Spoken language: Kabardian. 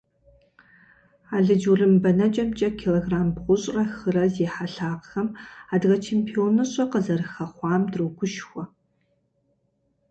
Алыдж-урым бэнэкӏэмкӏэ килограмм бгъущӏрэ хырэ зи хьэлъагъхэм адыгэ чемпионыщӏэ къызэрыхэхъуам дрогушхуэ!